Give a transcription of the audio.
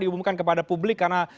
diumumkan kepada publik karena